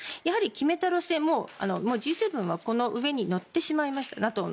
決めた路線、Ｇ７はこの上に乗ってしまいました。